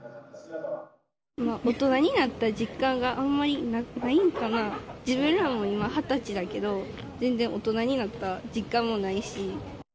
大人になった実感があんまりないんかな、自分らも今２０歳だけど、全然大人になった実感もないし。